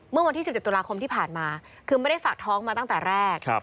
เมื่อวันที่๑๗ตุลาคมที่ผ่านมาคือไม่ได้ฝากท้องมาตั้งแต่แรก